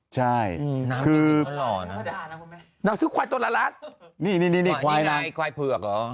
ใช่น้ำจริงก็หล่อนะนั่งซื้อควายตัวละละนี่นี่ควายน้ำนี่ไงควายเผือกเหรอ